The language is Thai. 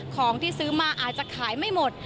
ของที่ซื้อมาอาจจะขายไม่หมด